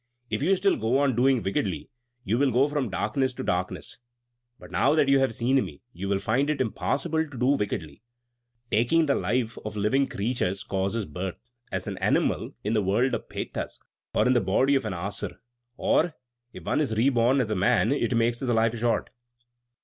If you still go on doing wickedly, you will go from darkness to darkness. But now that you have seen me you will find it impossible to do wickedly. Taking the life of living creatures causes birth, as an animal, in the world of Petas, or in the body of an Asura, or, if one is reborn as a man, it makes his life short."